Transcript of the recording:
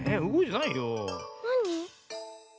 なに？